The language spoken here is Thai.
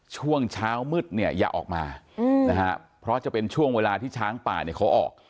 ช่วงเช้ามืดเนี่ยอย่าออกมานะฮะเพราะจะเป็นช่วงเวลาที่ช้างป่าเนี่ยเขาออก